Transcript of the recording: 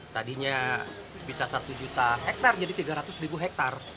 tadinya bisa satu juta hektar jadi tiga ratus hektar